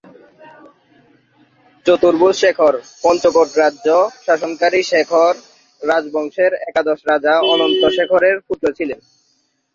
চতুর্ভুজ শেখর পঞ্চকোট রাজ্য শাসনকারী শেখর রাজবংশের একাদশ রাজা অনন্ত শেখরের পুত্র ছিলেন।